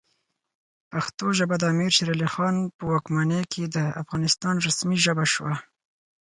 پښتو ژبه د امیر شیرعلی خان په واکمنۍ کې د افغانستان رسمي ژبه شوه.